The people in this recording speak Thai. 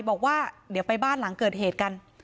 บอกว่าเดี๋ยวไปบ้านหลังเกิดเหตุกัน